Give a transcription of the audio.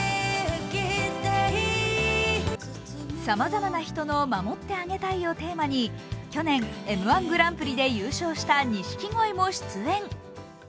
様々な人の「守ってあげたい」をテーマに、去年Ｍ−１グランプリで優勝した錦鯉も出演。